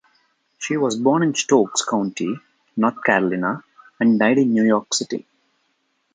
She was born in Stokes County, North Carolina and died in New York City.